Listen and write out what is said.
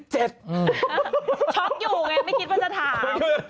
ช็อกอยู่ไงไม่คิดว่าจะถาม